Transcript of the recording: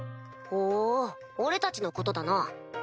ほう俺たちのことだな。